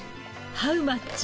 ハウマッチ？